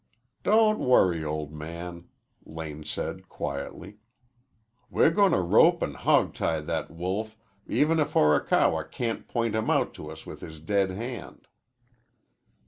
"Don't worry, old man," Lane said quietly. "We're goin' to rope an' hogtie that wolf even if Horikawa can't point him out to us with his dead hand."